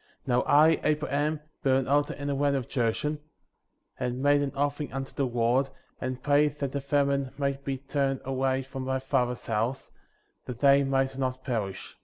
^ 17. Now I, Abraham, built an altar in the land of Jershon, and made an offering unto the Lord, and prayed that the famine^ might be turned away from my father^s house, that they might not perish.